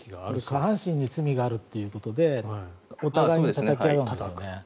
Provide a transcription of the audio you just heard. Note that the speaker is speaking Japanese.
下半身に罪があるということでお互いにたたき合うんですよね。